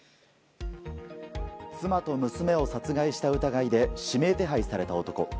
妻と娘を殺害した疑いで指名手配された男。